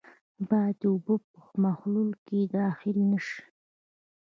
باید اوبه په محلول کې داخلې نه شي.